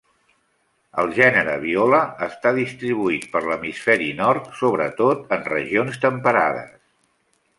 El gènere Viola està distribuït per l'hemisferi nord, sobretot en regions temperades.